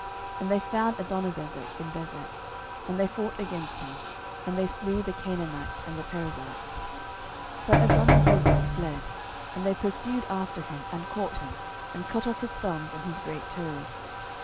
07:001:005 And they found Adonibezek in Bezek: and they fought against him, and they slew the Canaanites and the Perizzites. 07:001:006 But Adonibezek fled; and they pursued after him, and caught him, and cut off his thumbs and his great toes.